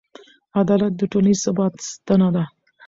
عدالت د ټولنیز ثبات ستنه ده.